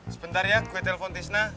sebentar ya kue telpon tisna